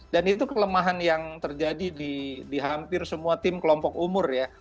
dan itu kelemahan yang terjadi di hampir semua tim kelompok umur ya